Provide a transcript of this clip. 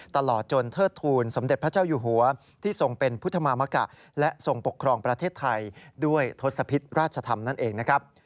ตลอดจนเทิดทูลสมเด็จพระเจ้าอยู่หัวที่ทรงเป็นพุทธมามกะและทรงปกครองประเทศไทยด้วยทศพิษราชธรรมนั่นเองนะครับ